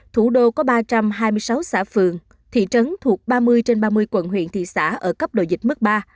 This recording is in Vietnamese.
thủ đô có ba trăm hai mươi sáu xã phường thị trấn thuộc ba mươi trên ba mươi quận huyện thị xã ở cấp độ dịch mức ba